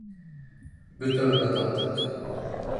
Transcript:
Бөтәбеҙ ҙә таптыҡ.